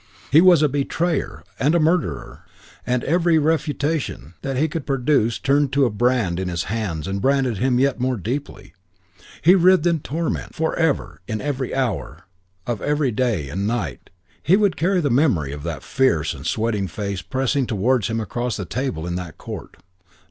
He was a betrayer and a murderer, and every refutation that he could produce turned to a brand in his hands and branded him yet more deeply. He writhed in torment. For ever, in every hour of every day and night, he would carry the memory of that fierce and sweating face pressing towards him across the table in that court.